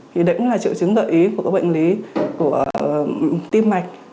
thì đấy cũng là triệu chứng gợi ý của bệnh lý tim mạch